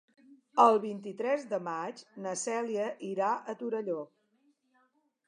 El vint-i-tres de maig na Cèlia irà a Torelló.